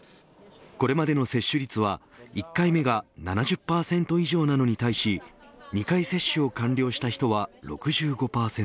これまでの接種率は１回目が７０％以上なのに対し２回接種を完了した人は６５％